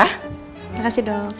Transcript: terima kasih dok